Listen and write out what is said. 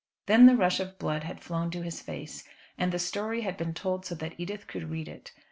Then the rush of blood had flown to his face, and the story had been told so that Edith could read it.